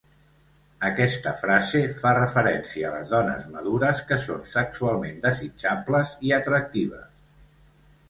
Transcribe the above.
Aquesta frase fa referència a les dones madures que són sexualment desitjables i atractives.